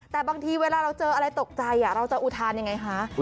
แต่บางทีเวลาเราเจออะไรตกใจเราจะอุทานยังไงคะ